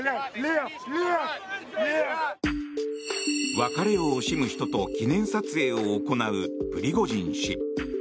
別れを惜しむ人と記念撮影を行うプリゴジン氏。